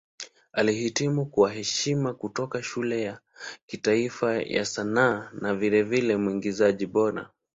Alihitimu kwa heshima kutoka Shule ya Kitaifa ya Sanaa na vilevile Mwigizaji Bora.